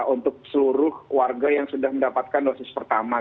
untuk seluruh warga yang sudah mendapatkan dosis pertama